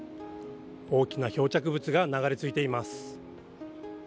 大きな漂着物が流れ着いています。